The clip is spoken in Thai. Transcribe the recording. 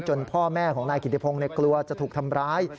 พ่อแม่ของนายกิติพงศ์กลัวจะถูกทำร้าย